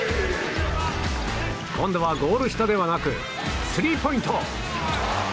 今度はゴール下ではなくスリーポイント！